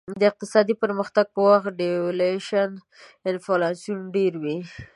د اقتصادي پرمختګ په وخت devaluation انفلاسیون ډېروي.